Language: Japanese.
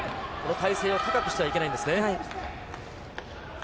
体勢を高くしてはいけないんですね。